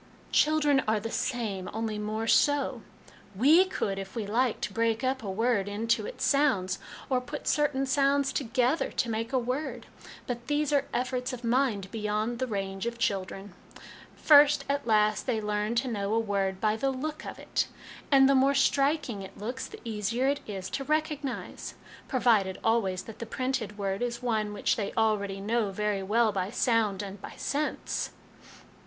" Children are the same, ' only more so.' We could, LESSONS AS INSTRUMENTS OF EDUCATION 211 if we liked, break up a word into its sounds, or put certain sounds together to make a word. But these are efforts of mind beyond the range of children. First, as last, they learn to know a word by the look of it, and the more striking it looks the easier it is to recognise ; provided always that the printed word is one which they already know very well by sound and by sense."